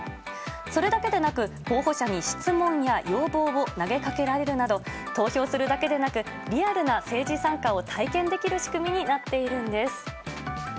それだけでなく、候補者に質問や要望を投げかけられるなど投票するだけでなくリアルな政治参加を体験できる仕組みになっているんです。